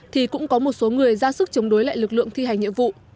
thì cũng có một số người ra sức chống đối lại lực lượng thi hành nhiệm vụ